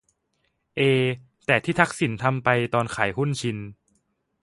เอ แต่ที่ทักษิณทำไปตอนขายหุ้นชิน